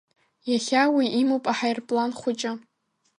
Иахьа уи имоуп аҳаирплан хәыҷы.